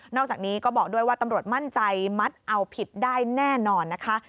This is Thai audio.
อกจากนี้ก็บอกด้วยว่าตำรวจมั่นใจมัดเอาผิดได้แน่นอนนะคะ